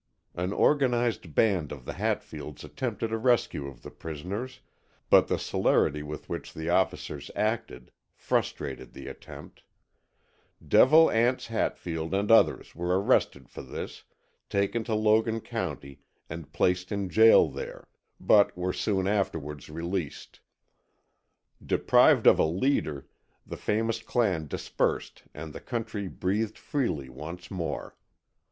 An organized band of the Hatfields attempted a rescue of the prisoners, but the celerity with which the officers acted, frustrated the attempt. Devil Anse Hatfield and others were arrested for this, taken to Logan County and placed in jail there, but were soon afterwards released. Deprived of a leader, the famous clan dispersed and the country breathed freely once more.